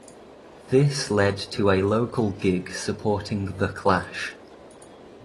This led to a local gig supporting The Clash.